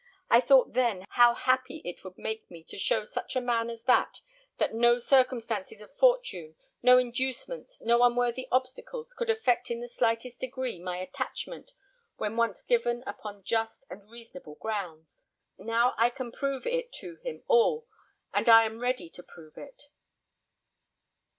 I thought then how happy it would make me to show such a man as that, that no circumstances of fortune, no inducements, no unworthy obstacles, could affect in the slightest degree my attachment, when once given upon just and reasonable grounds. Now I can prove it to him all, and I am ready to prove it."